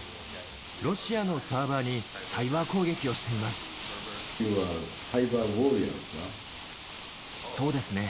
ロシアのサーバーにサイバー攻撃をしています。